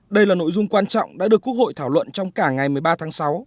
đây là nội dung quan trọng đã được quốc hội thảo luận trong cả ngày một mươi ba tháng sáu